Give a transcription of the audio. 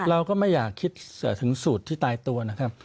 เราก็ไม่อยากคิดถึงสูตรที่ตายตัวนะครับ